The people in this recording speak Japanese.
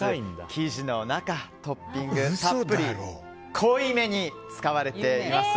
生地の中、トッピングにたっぷり濃いめに使われています。